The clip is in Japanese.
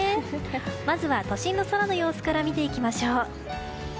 まずは都心の空の様子から見ていきましょう。